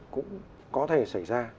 cũng có thể xảy ra